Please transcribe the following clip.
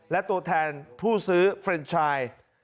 และตัวแทนผู้ซื้อเฟรนชาย